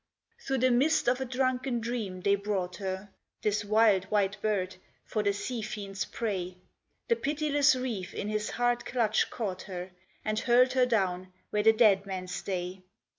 Through the mist of a drunken dream they brought her (This wild white bird) for the sea fiend's prey: The pitiless reef in his hard clutch caught her, And hurled her down where the dead men stay.